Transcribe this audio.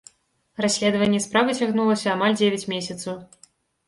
Расследаванне справы цягнулася амаль дзевяць месяцаў.